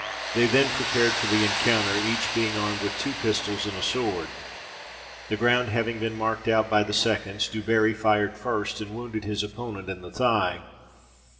They then prepared for the encounter, each being armed with two pistols and a sword. The ground having been marked out by the seconds, Du Barri fired first, and wounded his opponent in the thigh.